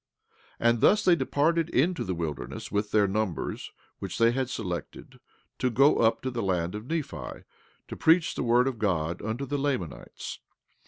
17:8 And thus they departed into the wilderness with their numbers which they had selected, to go up to the land of Nephi, to preach the word of God unto the Lamanites.